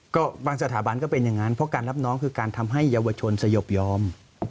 ก็บางสถาบันก็เป็นอย่างนั้นเพราะการรับน้องคือการทำให้เยาวชนสยบยอม